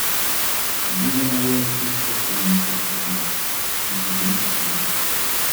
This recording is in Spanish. Viven la vida de Cristo como mujeres normales, con sentimientos humanos.